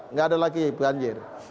tidak ada lagi banjir